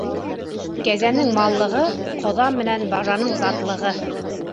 Кәзәнең маллығы, ҡоҙа менән бажаның затлығы.